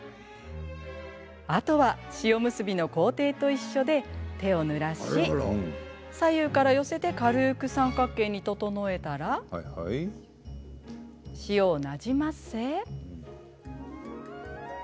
あとは塩むすびの工程と一緒で手をぬらし左右から寄せて軽く三角形に整えたら塩をなじませ。